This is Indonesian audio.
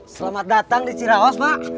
selamat datang di ciraos mak